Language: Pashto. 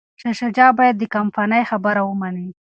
شاه شجاع باید د کمپانۍ خبره ومني.